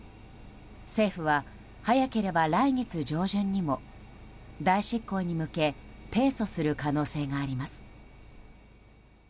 政府は、早ければ来月上旬にも代執行に向け提訴する可能性があります。